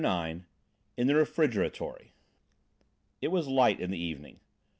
IX IN THE REFRIGERATORY It was light in the evening.